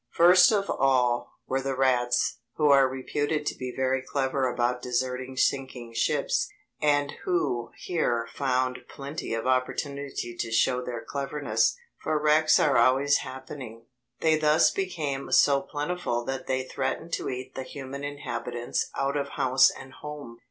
First of all were the rats, who are reputed to be very clever about deserting sinking ships, and who here found plenty of opportunity to show their cleverness, for wrecks are always happening. They thus became so plentiful that they threatened to eat the human inhabitants out of house and home.